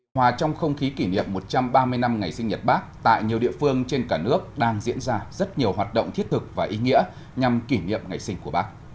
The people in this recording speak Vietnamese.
hòa trong không khí kỷ niệm một trăm ba mươi năm ngày sinh nhật bác tại nhiều địa phương trên cả nước đang diễn ra rất nhiều hoạt động thiết thực và ý nghĩa nhằm kỷ niệm ngày sinh của bác